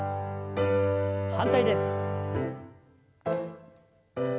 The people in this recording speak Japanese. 反対です。